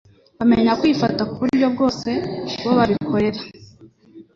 bamenya kwifata ku buryo bwose Bo babikorera